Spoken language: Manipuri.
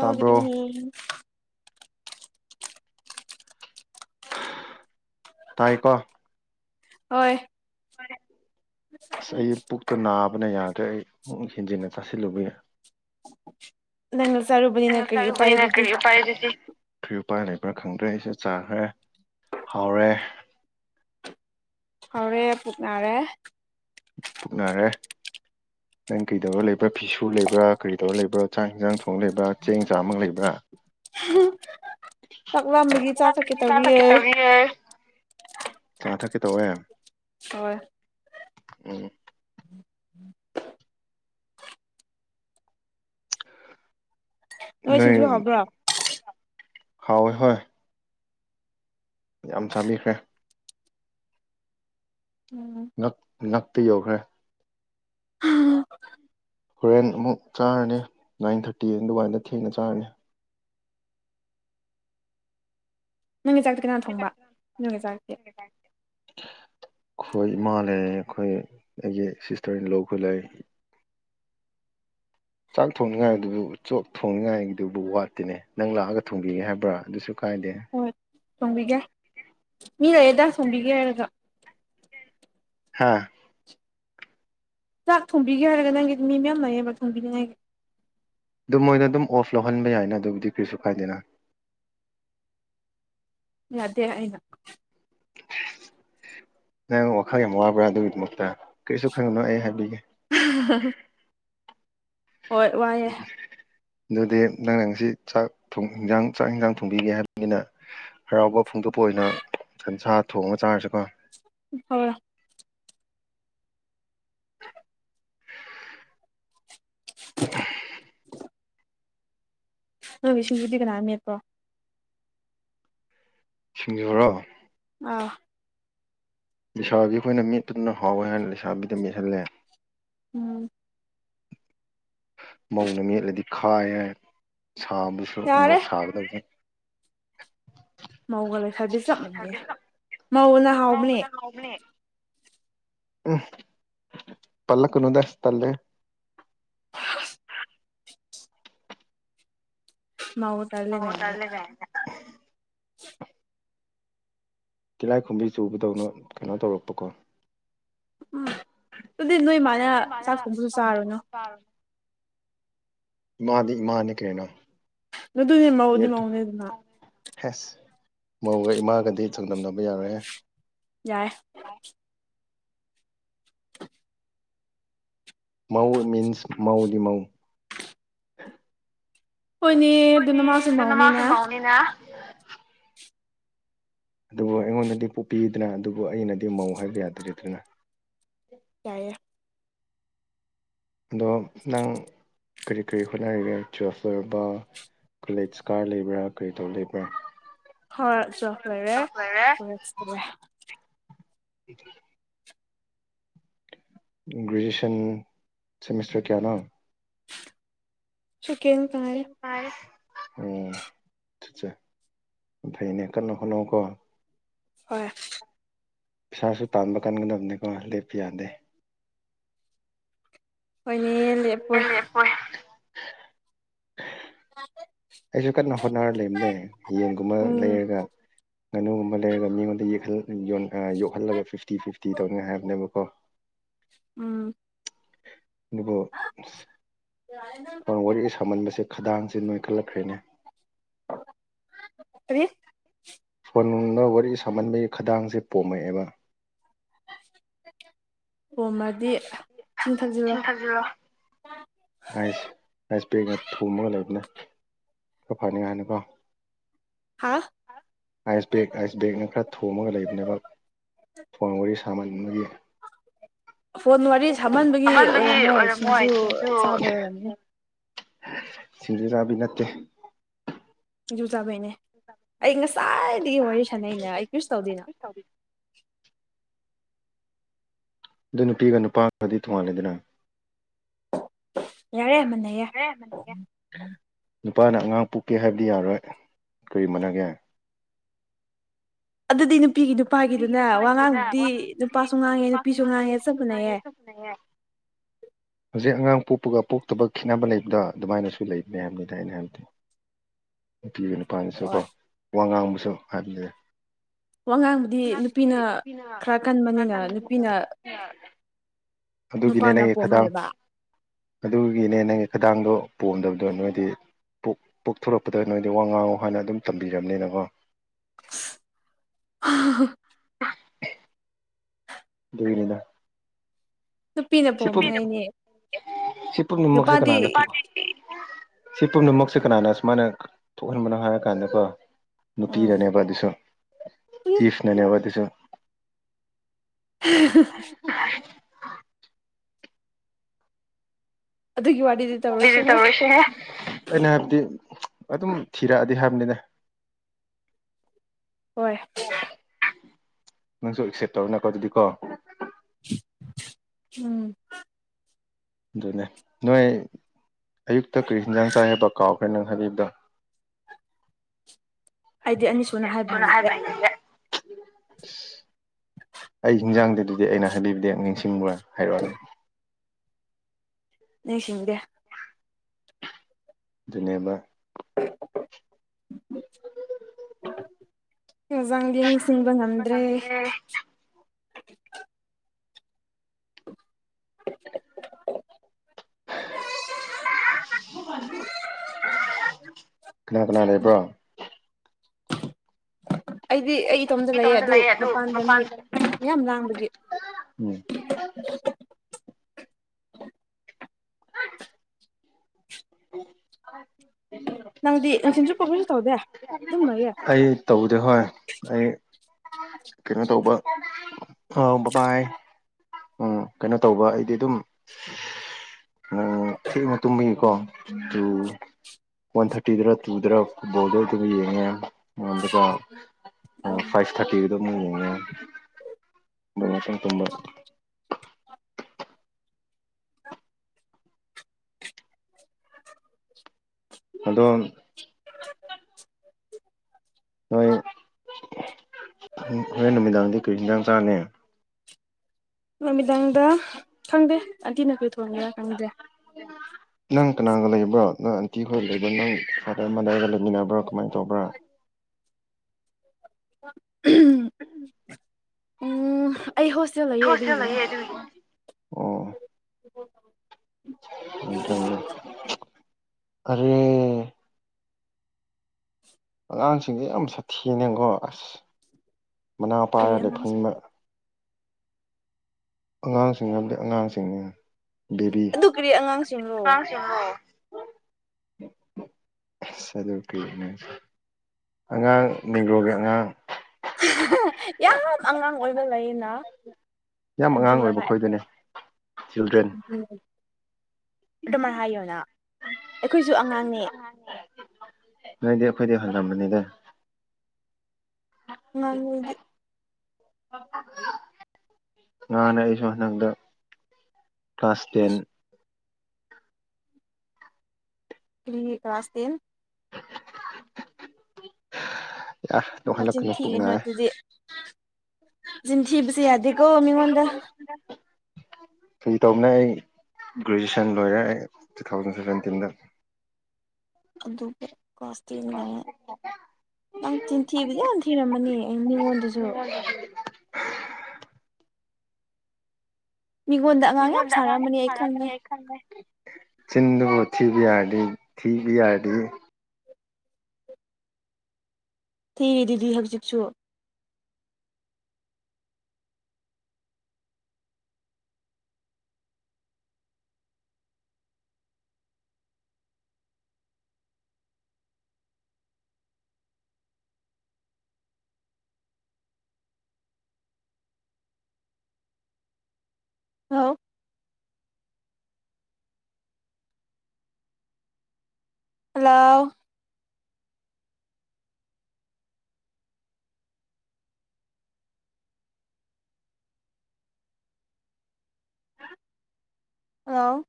ꯇꯥꯕ꯭ꯔꯣ ꯇꯥꯏꯀꯣ ꯍꯣꯏ ꯑꯁ ꯑꯩ ꯄꯨꯛꯇꯨ ꯅꯥꯕꯅ ꯌꯥꯗ꯭ꯔꯦ ꯑꯩ ꯃꯨꯛ ꯍꯦꯟꯖꯤꯟꯅ ꯆꯥꯁꯤꯜꯂꯨꯕꯒꯤ [inaudible] ꯀꯔꯤ ꯎꯄꯥꯏ ꯑꯗꯨꯗꯤ [unintelligible] ꯊ꯭ꯎꯄꯥꯏ ꯂꯩꯕ꯭ꯔ ꯈꯪꯗ꯭ꯔꯦ ꯑꯩꯁꯦ ꯆꯥꯈ꯭ꯔꯦ ꯍꯥꯎꯔꯦ ꯍꯧꯎꯔꯦ ꯄꯨꯛꯅꯔꯦ ꯄꯨꯛꯅꯔꯦ ꯅꯪ ꯀꯩꯗꯧꯔ ꯂꯩꯕ꯭ꯔ ꯐꯤꯁꯨꯔ ꯂꯩꯕ꯭ꯔ ꯀꯔꯤꯗꯧꯔ ꯂꯩꯕ꯭ꯔ ꯆꯥꯛ ꯍꯟꯁꯥꯡ ꯊ ꯊꫭꯡ ꯂꯩꯕ꯭ꯔ ꯆꯦꯡ ꯆꯥꯃ ꯂꯩꯕ꯭ꯔ ꯆꯛꯂꯝꯕꯒꯤ ꯆꯥ ꯆꯛꯀꯦ ꯇꯧꯔꯤꯌꯦ ꯆꯥ ꯊꯛꯀꯦ ꯋꯦ ꯍꯣꯏ ꯅꫭ ꯅꯣꯏ ꯁꯤꯡꯖꯨ ꯍꯥꯎꯕ꯭ꯔꯣ ꯍꯥꯎꯋꯦ ꯍꯣꯏ ꯌꯥꯝꯆꯥꯕꯤꯈ꯭ꯔꯦ ꯎꯝ, ꯉꯛ ꯉꯛꯇꯨ ꯌꯧꯈ꯭ꯔꯦ ꯍꯣꯔꯦꯟ ꯑꯃꯨꯛ ꯆꯥꯔꯅꯤ ꯅꯥꯏꯟ ꯊꯥꫪꯇꯤ ꯑꯗꯨꯃꯏꯗ ꯊꯦꯡꯅ ꯆꯥꯔꯅꯤ ꯅꯪꯒꯤ ꯆꯥꯛꯇꯤ ꯀꯅꯥ ꯊꯣꯡꯕ ꯅꫭꯏꯒꯤ ꯆꯥꯛꯇꯤ ꯑꯩꯈꯣꯏ ꯏꯃꯥ ꯂꯩꯔꯦ ꯑꯩꯈꯣꯏ ꯑꯩꯒꯤ ꯁꯤꯁꯇꫪ ꯏꯟꯂꫭꯈꫭꯏ ꯂꯧ ꯆꯥꯛ ꯊꯣꯡꯅꯤꯡꯉꯥꯏꯗꯨꯕꯨ ꯆꯣꯞ ꯊꯣꯡꯅꯤꯡꯉꯥꯏꯗꯨꯕꯨ ꯋꯥꯠꯇꯦꯅꯦ ꯅꯪ ꯂꯥꯛꯑꯒ ꯊꯣꯡꯕꯤꯒꯦ ꯍꯥꯏꯕ꯭ꯔ ꯑꯗꯨꯁꯨ ꯀꯥꯏꯗꯦ ꯊꫭꯡꯕꯤꯒꯦ ꯃꯤ ꯂꯩꯔꯦꯗ ꯊꫭꯡꯕꯤꯒꯦ ꯍꯥꯏꯔꯒ ꯍꯥꯥ ꯆꯥꯛ ꯊꯣꯡꯕꯤꯒꯦ ꯍꯥꯏꯔꯒ ꯅꯪꯒꯤ ꯃꯤ ꯃꯌꯥꯝ ꯂꯩꯌꯦꯕ ꯊꯣꯡꯕꯤꯅꯤꯡꯉꯥꯏꯒꯤ ꯑꯗꯨꯝ ꯃꯣꯏꯅ ꯑꯗꯨꯝ ꯑꯣꯐ ꯂꯧꯍꯟꯕ ꯌꯥꯏꯅ ꯑꯗꯨꯕꯨꯗꯤ ꯀꯔꯤꯁꯨ ꯀꯥꯏꯗꯦꯅ ꯌꯥꯗꯦ ꯑꯩꯅ ꯅꯪ ꯋꯥꯈꯜ ꯌꯥꯝ ꯋꯥꯕ꯭ꯔ ꯑꯗꯨꯒꯤꯗꯃꯛꯇ ꯀꯔꯤꯁꯨ ꯈꯟꯒꯅꯣ ꯑꯩ ꯍꯥꯏꯕꯤꯒꯦ ꯑꯍꯍ ꯍꯥ ꯍꯣꯏ ꯋꯥꯏꯌꯦ ꯑꯗꯨꯗꯤ ꯅꯪꯅ ꯉꯁꯤ ꯆꯥꯛ ꯊꫭꯡ ꯏꯟꯁꯥꯡ ꯆꯥꯛ ꯏꯟꯁꯥꯡ ꯊꯣꯡꯕꯤꯒꯦ ꯍꯥꯏꯕꯅꯤꯅ ꯍꯔꯥꯎꯕ ꯐꯣꯡꯗꯣꯛꯄ ꯑꯣꯏꯅ ꯁꯟꯁꯥ ꯊꯣꯡꯉ ꯆꯥꯔꯁꯤꯀꯣ [unintelligible] [unintelligible] ꯅꯣꯏꯒꯤ ꯁꯤꯖꯨꯗꯤ ꯀꯅꯥ ꯃꯦꯠꯄꯣ ꯁꯤꯡꯖꯨꯔꯣ ꯑ ꯂꯩꯁꯥꯕꯤ ꯈꯣꯏꯅ ꯃꯦꯠꯄꯗꯨꯅ ꯍꯥꯎꯋꯦ ꯍꯥꯏꯅ ꯂꯩꯁꯥꯕꯤꯗ ꯃꯦꯠꯍꯜꯂꯦ ꯎꯝ ꯃꯧꯅ ꯃꯦꯠꯂꯗꯤ ꯈꯥꯏ ꯌꯦ ꯁꯥꯕꯁꯨ ꯌꯥꯔꯦ ꯃꯣꯛ ꯁꯥꯒꯗꯕꯅꯦ ꯃꯧꯒ ꯂꯩꯁꯥꯕꯤ ꯆꯞ ꯃꯥꯟꯅꯩꯌꯦ ꯃꯧꯅ ꯍꯥꯎꯕꯅꯦ ꯎꯝ ꯄꯜꯂꯛꯀꯅꯨꯗ ꯇꯜꯂꯦꯍꯦ ꯃꯧ ꯇꯜꯂꯦ ꯒꯥꯏꯅ [inaudible] ꯇꯤꯜꯂꯥꯏꯈꯨꯝꯕꯤ ꯆꯨꯕꯗꯧꯅ ꯀꯩꯅꯣ ꯇꯧꯔꯛꯄꯀꯣ ꯎꯝ ꯑꯗꯨꯗꯤ ꯅꯣꯏ ꯃꯥꯅ ꯆꯥꯛ ꯊꯣꯡꯕꯁꯨ ꯆꯥꯔꯨꯅꯨ ꯏꯃꯥꯗꯤ ꯏꯃꯥꯅꯦ ꯀꯩꯅꯣ ꯑꯗꯨꯗꯤ ꯃꯧꯗꯤ ꯃꯧꯅꯤꯗꯅ [inaudible] ꯍꯁ ꯃꯧꯒ ꯏꯃꯥꯒꯗꯤ ꯆ ꯆꯥꯡꯗꯝꯅꯕ ꯌꯥꯔꯣꯏ ꯍꯦ ꯌꯥꯔꯦ ꯃꯧ ꯃꯤꯟꯁ ꯃꯧꯗꯤ ꯃꯧ ꯍꯣꯏꯅꯦ ꯑꯗꯨ ꯅꯃꯥꯁꯨ ꯃꯧꯅꯦꯅ ꯗꯨꯕꯨ ꯑꯩꯉꯣꯟꯗꯗꯤ ꯄꯣꯛꯄꯤꯌꯦꯗꯅ ꯗꯨꯕꯨ ꯑꯩꯅꯗꯤ ꯃꯧ ꯍꯥꯏꯕ ꯌꯥꯗ꯭ꯔꯦꯗꯅ ꯌꯥꯏꯌꯦ ꯗꯣ ꯅꯪ ꯀꯔꯤ ꯀꯔꯤ ꯍꯣꯠꯅꯔꯤꯒꯦ ꯇ꯭ꯋꯦꯜꯐ ꯂꯣꯏꯔꯕꯥ ꯀꯂꯦꯠꯁ ꯀꯥꯔ ꯂꯩꯕ꯭ꯔꯥ ꯀꯔꯤ ꯇꯧꯔ ꯂꯩꯕ꯭ꯔꯥ ꯍꯣꯌ ꯇ꯭ꯋꯦꯜꯐ ꯂꯣꯏꯔꯦ ꯀꯣꯂꯦꯁ ꯇꯧꯋꯦ [unintelligible] ꯒ꯭ꯔꯦꯖꯨꯌꯦꯁꯟ ꯁꯤꯃꯤꯁꯇꯔ ꯀꯌꯥꯅꯣ ꯁꯨ ꯀꯦꯟ ꯀ ꯉꯥꯏꯔꯤ ꯎꯝ [inaudible] ꯌꯥꯝ ꯐꯩꯅꯦ ꯀꯟꯅ ꯍꯣꯠꯅꯧꯀꯣ ꯍꯣꯏ ꯄꯩꯁꯥꯁꯨ ꯇꯥꯟꯕ ꯀꯟꯒꯗꯕꯅꯦꯀꯣ ꯂꯦꯞꯄ ꯌꯥꯗꯦ ꯍꯣꯏꯅꯦ ꯂꯦꯞꯄꯣꯏ ꯑꯩꯁꯨ ꯀꯟꯅ ꯍꯣꯠꯅꯔ ꯂꯩꯕꯅꯦ ꯌꯦꯟꯒꯨꯝꯕ ꯎꯝ ꯂꯩꯔꯒ ꯉꯥꯅꯨꯒꯨꯝꯕ ꯂꯩꯔꯒ ꯃꯤꯉꯣꯟꯗ ꯌꯦꯛꯍꯜ-ꯌꯣꯟ-ꯑꯥ-ꯌꯣꯛꯍꯜꯂꯒ ꯐꯤꯐꯇꯤ ꯐꯤꯐꯇꯤ ꯇꯧꯅꯤꯉꯥꯏ ꯍꯥꯏꯕꯅꯦꯕꯀꯣ ꯅ ꯎꯝ ꯑꯗꯨꯕꯨ ꯋꯥꯔꯤ ꯁꯥꯃꯟꯕꯁꯦ ꯈꯗꯥꯡꯁꯦ ꯅꯣꯏ ꯈꯜꯂꯛꯈ꯭ꯔꯦꯅꯦ ꯀꯔꯤ ꯅꯨꯡꯗ ꯋꯥꯔꯤ ꯁꯥꯃꯟꯕꯩ ꯈꯗꯥꯡꯁꯦ ꯄꯣꯝꯃꯛꯑꯦꯕ ꯑꯣꯃꯗꯤ [unintelligible] ꯑꯥꯢꯁ-ꯑꯥꯢꯁ ꯕꯦꯛꯅ ꯊꯣꯃꯒ ꯂꯩꯕꯅꯦ ꯈ ꯐꯅꯤꯉꯥꯏ ꯍꯥꯏꯅ ꯀꯣ ꯍꯥ ꯑꯥꯏꯁ ꯕꯦꯛ ꯑꯥꯏꯁ ꯕꯦꯒꯅ ꯈꯔ ꯊꯣꯝꯃꯒ ꯂꯩꯕꯅꯦꯕ ꯐꯣꯟ ꯋꯥꯔꯤ ꯁꯥꯃꯟꯕꯒꯤ ꯐꯣꯟ ꯋꯥꯔꯤ ꯁꯥꯃꯟꯕꯒꯤ ꯑꯍꯥꯟꯕꯒꯤ ꯑꯣꯏꯔꯝꯃꯣꯏ ꯁꯤꯡꯖꯨ ꯆꯥꯕꯩ ꯑꯣꯏꯔꯝꯅꯤ ꯁꯤꯟꯖꯨ ꯆꯥꯕꯤ ꯅꯠꯇꯦ ꯖꯨ ꯆꯥꯕꯩꯅꯦ ꯑꯩ ꯉꯁꯥꯏꯒꯤ ꯋꯥꯔꯤ ꯁꯥꯟꯅꯩꯅ ꯑꯩ ꯀ꯭ꯔꯤꯁꯨ ꯇꯧꯗꯦꯅ ꯑꯗꯨ ꯅꯨꯄꯤꯒ ꯅꯨꯄꯥꯒꯗꯤ ꯇꯣꯉꯥꯜꯂꯦꯗꯅ ꯌꯥꯔꯦ ꯃꯥꯟꯅꯩꯌꯦ ꯍꯦ ꯃꯅꯦꯒ ꯅꯨꯄꯥꯅ ꯑꯉꯥꯡ ꯄꯨꯣꯛꯀꯦ ꯍꯥꯏꯕꯗꯤ ꯌꯥꯔꯣꯏ ꯀꯔꯤ ꯃꯥꯟꯅꯒꯦ ꯑꯗꯨꯗꯤ ꯅꯨꯞ ꯄꯤꯒꯤ ꯅꯨꯄꯥꯒꯤꯗꯨꯅ ꯋꯥꯉꯥꯡꯗꯨꯗꯤ ꯅꯨꯄꯥꯁꯨ ꯉꯥꯡꯉꯦ ꯅꯨꯄꯤꯁꯨ ꯉꯥꯡꯉꯦ ꯆꯠ ꯃꯅꯦꯌꯦ ꯍꯧꯖꯤꯛ ꯑꯉꯥꯡ ꯄꯣꯛꯄꯒ ꯄꯣꯛꯇꯕ ꯈꯦꯠꯅꯕ ꯂꯩꯕꯗꯣ ꯑꯗꯨꯃꯥꯏꯅꯁꯨ ꯂꯩ ꯕꯅꯦ ꯑꯩꯅ ꯍꯥꯏꯕꯗꯤ ꯅꯨꯄꯤꯒꯤ ꯅꯨꯄꯥꯅꯁꯨ ꯀꯣ ꯋꯥ ꯉꯥꯡꯕꯁꯨ ꯍꯥꯏꯕꯤ ꯌꯦ ꯋꯥꯉꯥꯡꯕꯨꯗꯤ ꯅꯨꯄꯤꯅ ꯈꯔ ꯀꯟꯕꯅꯤꯅ ꯅꯨꯄꯤꯅ ꯑꯗꯨꯒꯤꯅꯦ ꯅꯨꯄꯥꯅ ꯅꯪꯒꯤ ꯄꯣꯝꯃ ꯈꯗꯥꯡ ꯂꯩꯕ ꯑꯗꯨꯒꯤꯅꯦ ꯅꯪꯒꯤ ꯈꯗꯥꯡꯗꯣ ꯄꯣꯝꯗꯕꯗꯣ ꯅꯣꯏꯗꯤ ꯄꯣꯛ ꯄꯣꯛꯊꯣꯔꯛꯄꯗ ꯅꯣꯏꯗꯤ ꯋꯥ ꯉꯥꯡꯉꯨ ꯍꯥꯏꯅ ꯑꯗꯨꯝ ꯇꯝꯕꯤꯔꯝꯅꯤꯅꯀꯣ [unintelligible] ꯂꯩꯗ ꯅꯨꯄꯤꯅ ꯁꯤꯄꯨꯝ ꯄꯣꯝꯅꯉꯥꯏꯅꯦ ꯁꯤꯄꯨꯝ ꯃꯛꯁꯦ ꯅꯨꯄꯥꯗꯤ ꯀꯥꯅꯥꯅ ꯊꯣꯛ ꯁꯤ ꯄꯨꯝꯅꯃꯛꯁꯦ ꯀꯅꯥꯅ ꯁꯨꯃꯥꯏꯅ ꯊꯣꯛꯍꯟꯕꯅꯣ ꯍꯥꯏꯔ ꯀꯥꯟꯗꯀꯣ ꯎꯝ ꯅꯨꯄꯤꯅꯅꯦꯕ ꯑꯗꯨꯁꯨ ꯊꯤꯐꯅꯅꯦꯕ ꯑꯗꯨꯁꯨ [unintelligible] ꯑꯗꯨꯒꯤ ꯋꯥꯔꯤꯗꯤ ꯇꯧꯔꯣꯏꯁꯦꯍꯦ ꯑꯩꯅ ꯍꯥꯏꯕꯗꯤ ꯑꯗꯨꯝ ꯊꯤꯔꯛꯑ ꯗꯤ ꯍꯥꯏꯕꯅꯤꯗ ꯍꯣꯏ ꯅꯪꯁꯨ ꯑꯦꯛꯁꯦꯞ ꯇꯧꯅ ꯕꯒꯤꯗꯤ ꯀꯣ ꯎꯝ ꯑꯗꯨꯅꯦ ꯅꯣꯏ ꯑꯌꯨꯛꯇ ꯀꯔꯤ ꯍꯤꯟꯁꯥꯡ ꯆꯥꯏ ꯍꯥꯏꯕ ꯀꯥꯎꯈ꯭ꯔꯦ ꯅꯪꯍꯗꯤꯗ ꯑꯩꯗꯤ ꯑꯅꯤꯁꯨꯅ ꯍꯥꯏꯕ ꯁꯅ ꯍꯥꯏꯔ ꯍꯩꯅꯗꯦ ꯄꯦ ꯑꯩ ꯍꯤꯡꯖꯥꯡꯗꯗꯤ ꯑꯩꯅ ꯍꯥꯏꯕꯤꯕꯗꯤ ꯅꯤꯡꯁꯤꯡꯕ꯭ꯔꯥ ꯍꯥꯏꯔꯛꯑꯣꯅꯦ ꯅꯤꯁꯤꯡꯗꯦ ꯗꯨꯅꯦꯕ [unintelligible] [unintelligible] ꯍꯤꯟꯖꯥꯡꯗꯤ ꯅꯤꯡꯁꯤꯡꯁꯤꯡꯕ ꯉꯝꯗ꯭ꯔꯦ [unintelligible] [unintelligible] ꯀꯅꯥ ꯀꯅꯥ ꯂꯩꯕ꯭ꯔꯣ ꯑꯩꯗꯤ ꯑꯩ ꯏꯇꯣꯝꯗ ꯂꯩꯌꯦ ꯑꯗꯨ ꯃꯄꯥꯟꯗ ꯃꯤ ꯌꯥꯝ ꯂꯥꯡꯕꯒꯤ ꯎꯝ [unintelligible] ꯅꯪꯗꯤ ꯊꯤꯟꯁꯨ ꯄꯣꯕꯁꯨ ꯇꯧꯗꯦ ꯑꯗꯨꯝ ꯂꯩꯌꯦ ꯑꯩ ꯇꯧꯗꯦ ꯍꯣꯏ ꯑꯩ ꯀꯩꯅꯣ ꯇꯧꯕ ꯑꯝ ꯕ ꯕꯥꯥꯏ ꯎꯝ ꯀꯩꯅꯣ ꯇꯧꯕ ꯑꯩꯗꯤ ꯑꯗꯨꯝ ꯎ ꯊꯦꯡꯅ ꯇꯨꯝꯕꯒꯤꯀꯣ ꯇꯨ ꯋꯥꯟ ꯊꯥꯔꯇꯤꯗꯔ ꯇꯨꯗꯔ ꯐꯨꯠꯕꯣꯜꯗ ꯑꯗꯨꯝ ꯌꯦꯡꯉꯦ ꯑꯣ ꯐꯥꯏꯚ ꯊꯥꯔꯇꯤꯒꯤ ꯑꯗꯨꯝ ꯌꯦꯡꯉꯦ ꯑꯗꯨ ꯉꯥꯛꯇꯥꯪꯪ ꯇꯨꯝꯕ ꯑ [unintelligible] [inaudible] ꯑꯗꯣ [inaudible] ꯍꯣꯏ ꯔꯣꯏ ꯅꯨꯃꯤꯗꯥꯗ ꯀ꯭ꯔꯤꯁꯗ ꯍꯁꯥꯅꯦ ꯅꯨꯃꯤꯗꯥꯡꯗ ꯈꯪꯗꯦ ꯑꯟꯇꯤꯅ ꯀꯩ ꯊꯣꯡꯒꯦꯔꯥ ꯈꯪꯗꯦ ꯅꯪ ꯀꯅꯥꯒ ꯂꯩꯕ꯭ꯔꯣ ꯅꯪ ꯑꯇꯤ ꯍꯣꯏ ꯂꯩꯕ ꯅꯪ ꯐꯗ ꯑꯃꯗꯥꯏꯗ ꯂꯩꯃꯤꯟꯅꯕ꯭ꯔꯥ ꯀꯃꯥꯏꯅ ꯇꯧꯕ꯭ꯔꯥ ꯑꯣ ꯑꯩ ꯍꯣꯁꯇꯦꯜ ꯂꯩꯌꯦ ꯑꯗꯨꯒꯤꯅꯦ ꯑꯔꯦ ꯑꯉꯥꯡꯁꯤꯡꯁꯦ ꯌꯥꯝ ꯁꯥꯊꯤꯅꯦꯀꯣ ꯑꯁ ꯃꯅꯥ ꯀꯔꯤ ꯄꯥꯏꯔꯒ ꯑꯉꯥꯡꯁꯤꯡ ꯂꯩꯐꯝꯕ ꯑꯉꯥꯡꯁꯤꯡ ꯑꯃꯗꯤ ꯑꯉꯥꯡꯁꯤꯡꯅꯦ ꯕꯦꯔꯤ ꯑꯗꯨ ꯀꯔꯤ ꯑꯉꯥꯡꯁꯤꯡꯔꯣ ꯆ ꯀꯦꯅꯦ ꯑꯉꯥꯡ ꯅꯤꯒ꯭ꯔꯣꯒꯤ ꯑꯉꯥꯡ ꯂꯩꯌꯦꯅꯥ ꯌꯥꯝ ꯑꯉꯥꯡ ꯑꯣꯏꯕ ꯈꯣꯏꯗꯨꯅꯦ ꯆꯤꯜꯗ꯭ꯔꯦꯟ [inaudible] ꯑꯗꯨꯃꯥꯏꯅ ꯍꯥꯏꯌꯣꯅ ꯑꯩꯈꯣꯏꯁꯨ ꯑꯉꯥꯡꯅꯦ ꯅꯣꯏꯗꯤ ꯑꯩꯈꯣꯏꯗꯤ ꯍꯜꯂꯝꯕꯅꯤꯗ ꯉꯥꯡꯉ ꯑꯣꯏꯒꯤ ꯉ ꯅꯁꯨꯁ ꯅꯗ ꯀ꯭ꯂꯥꯁ ꯇꯦꯟ ꯏꯁ ꯀꯔꯤꯒꯤ ꯀ꯭ꯂꯥꯁ ꯇꯦꯟ ꯌꯥ ꯂꯣꯛꯍꯜꯂꯛꯄꯅꯤ ꯆꯤꯟꯊꯤꯒꯅꯨ ꯄꯨꯛꯅꯤꯡꯔꯦ ꯁꯤ ꯊꯤꯕꯁꯤ ꯌꯥꯗ ꯀꯣ ꯃꯤꯉꯣꯟꯗ ꯁꯤ ꯇꯧꯕꯅꯦ ꯑꯩ ꯒ꯭ꯔꯦꯖꯨꯑꯌꯦꯁꯟ ꯂꯣꯏꯔꯦ ꯑꯩ ꯇꯨ ꯊꯥꯎꯖꯟ ꯁꯚꯦꯟꯇꯤꯟꯗ ꯑꯗꯨ ꯀꯁꯇꯤꯗ ꯅꯪ ꯆꯤꯟꯊꯤꯕꯨꯗꯤ ꯌꯥꯝ ꯊꯤꯔꯝꯃꯅꯤ ꯑꯩ ꯃꯤꯉꯣꯟꯗꯨꯁꯨ ꯍ ꯃꯤꯉꯣꯟꯗ ꯑꯉꯥꯡ ꯌꯥꯝ ꯁꯥꯔꯛꯑꯝꯕꯅꯤ ꯑꯩ ꯈꯪꯉꯦ [unintelligible] ꯆꯤꯟꯗꯨꯕꯨ ꯁꯤꯕꯤ ꯑꯔꯗꯤ ꯊꯤ ꯕꯤ ꯑꯔꯗꯤ ꯊꯤꯔꯤ ꯗꯤ ꯍꯧꯖꯤꯛꯁꯨ [inaudible] ꯍꯂꯑꯣ ꯍꯜꯂꯣ